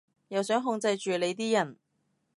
又想控制住你啲人